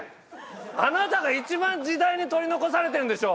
あなたが一番時代に取り残されてるでしょ！